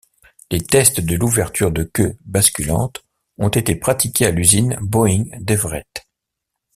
Les tests de l'ouverture de queue basculante ont été pratiqués à l'usine Boeing d'Everett.